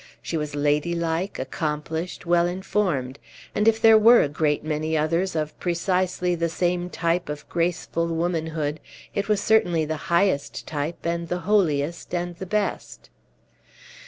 She was ladylike, accomplished, well informed; and if there were a great many others of precisely the same type of graceful womanhood, it was certainly the highest type, and the holiest, and the best.